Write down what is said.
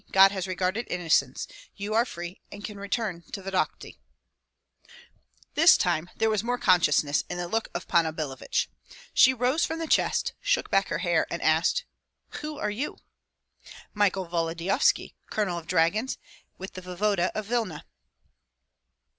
God has regarded innocence, you are free, and can return to Vodokty." This time there was more consciousness in the look of Panna Billevich. She rose from the chest, shook back her hair, and asked, "Who are you?" "Michael Volodyovski, colonel of dragoons with the voevoda of Vilna."